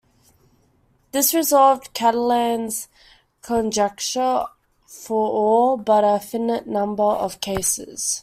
This resolved Catalan's conjecture for all but a finite number of cases.